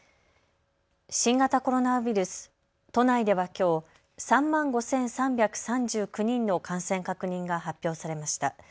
新型コロナウイルス都内ではきょう、３万５３３９人の感染確認が発表されました。